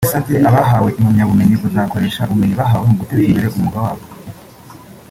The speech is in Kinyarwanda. yasabye abahawe impamyabumenyi kuzakoresha ubumenyi bahawe mu guteza imbere umwuga wabo